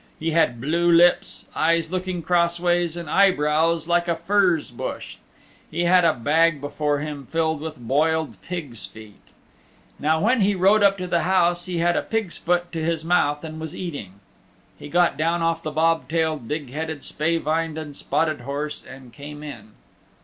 He had blue lips, eyes looking crossways and eyebrows like a furze bush. He had a bag before him filled with boiled pigs' feet. Now when he rode up to the house, he had a pig's foot to his mouth and was eating. He got down off the bob tailed, big headed, spavined and spotted horse, and came in.